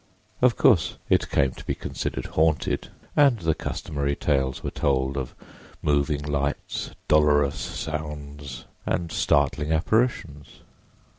Of course it came to be considered "haunted," and the customary tales were told of moving lights, dolorous sounds and startling apparitions.